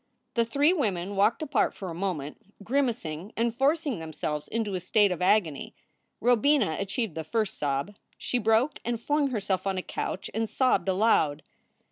The three women walked apart for a moment, grimacing and forcing themselves into a state of agony. Robina achieved the first sob. She broke and flung herself on a couch and sobbed aloud.